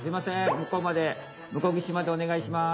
向こうまで向こうぎしまでお願いします」。